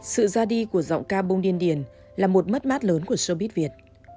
sự ra đi của giọng ca bông điên điền là một mất mát lớn của showbiz việt